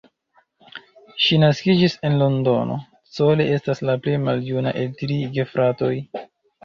Ŝi naskiĝis en Londono, Cole estas la plej maljuna el tri gefratoj.